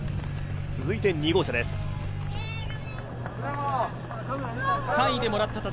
続いて２号車です。